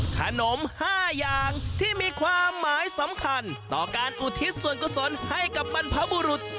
ขนม๕อย่างที่มีความหมายสำคัญต่อการอุทิศส่วนกุศลให้กับบรรพบุรุษ